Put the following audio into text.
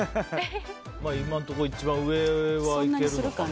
今のところ一番上はいってるかな。